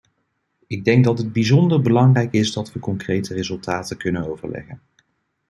Ik denk dat het bijzonder belangrijk is dat we concrete resultaten kunnen overleggen.